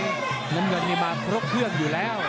น้ำเงินนี่มาครบเครื่องอยู่แล้ว